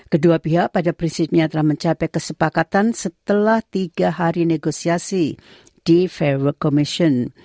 kedua pihak pada prinsipnya telah mencapai kesepakatan setelah tiga hari negosiasi di vero commission